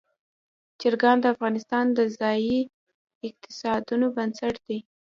چرګان د افغانستان د ځایي اقتصادونو بنسټ دی.